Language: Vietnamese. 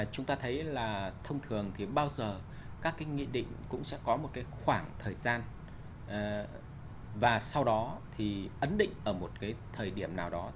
chúng ta thấy là thông thường thì bao giờ các cái nghị định cũng sẽ có một cái khoảng thời gian và sau đó thì ấn định ở một cái thời điểm nào đó